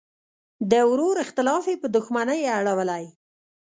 د ورور اختلاف یې په دوښمنۍ اړولی.